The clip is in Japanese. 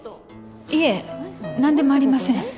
いえ何でもありません。